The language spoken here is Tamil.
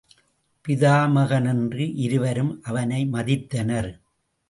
பிதாமகன் என்று இருவரும் அவனை மதித்தனர்.